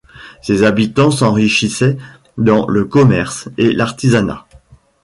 Ses habitants s'enrichissaient dans le commerce et l'artisanat.